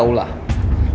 kita balik lagi ke aula